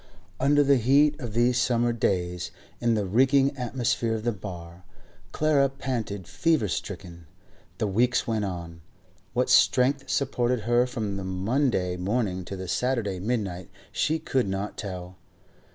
... Under the heat of these summer days, in the reeking atmosphere of the bar, Clara panted fever stricken. The weeks went on; what strength supported her from the Monday morning to the Saturday midnight she could not tell.